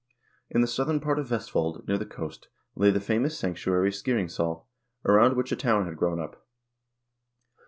In the southern part of Vestfold, near the coast, lay the famous sanctuary Skiringssal,3 around which a town had grown up.